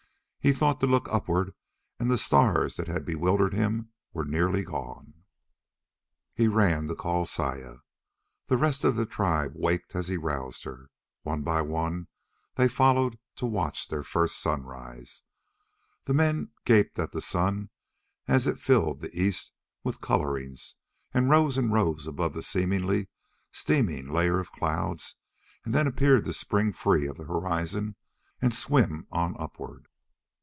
He thought to look upward, and the stars that had bewildered him were nearly gone. He ran to call Saya. The rest of the tribe waked as he roused her. One by one, they followed to watch their first sunrise. The men gaped at the sun as it filled the east with colorings, and rose and rose above the seemingly steaming layer of clouds, and then appeared to spring free of the horizon and swim on upward.